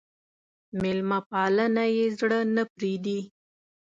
مېلمه پالنه يې زړه نه پرېږدي.